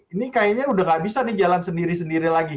ini kayaknya udah gak bisa nih jalan sendiri sendiri lagi